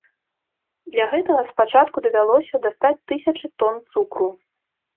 Для гэтага спачатку давялося дастаць тысячы тон цукру.